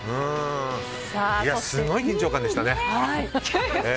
すごい緊張感でしたね。